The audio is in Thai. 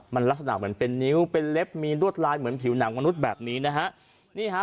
มันลักษณะเหมือนเป็นนิ้วเป็นเล็บมีรวดลายเหมือนผิวหนังมนุษย์แบบนี้นะฮะนี่ฮะ